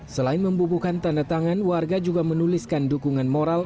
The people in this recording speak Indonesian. selain membubuhkan tanda tangan warga juga menuliskan dukungan moral